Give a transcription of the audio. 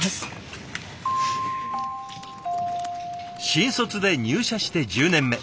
新卒で入社して１０年目。